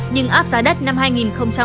nhưng áp giá đất năm hai nghìn một mươi chín